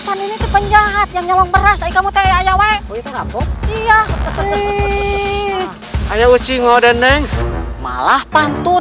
apaan ini penjahat yang nyolong beras kamu tewek iya iya uci ngode neng malah pantun